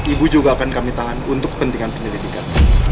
ibu juga akan kami tahan untuk kepentingan penyelidikan